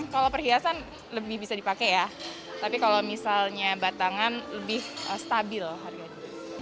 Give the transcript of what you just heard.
kalau perhiasan lebih bisa dipakai ya tapi kalau misalnya batangan lebih stabil harganya